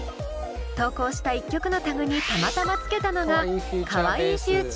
投稿した１曲のタグにたまたまつけたのが＃